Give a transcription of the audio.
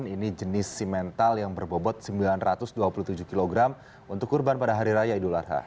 ini jenis simental yang berbobot sembilan ratus dua puluh tujuh kg untuk kurban pada hari raya idul adha